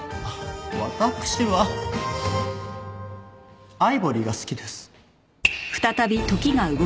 わたくしはアイボリーが好きです。